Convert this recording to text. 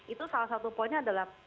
itu salah satu poinnya adalah